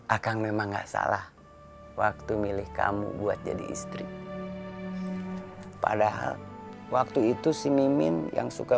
akang memang enggak salah waktu milih kamu buat jadi istri padahal waktu itu si mimin yang suka